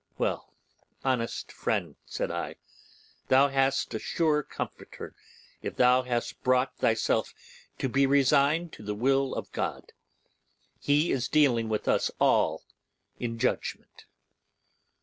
'Well, honest friend,' said I, 'thou hast a sure Comforter, if thou hast brought thyself to be resigned to the will of God; He is dealing with us all in judgement.